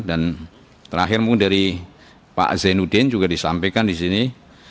terakhir mungkin dari pak zainuddin juga disampaikan di sini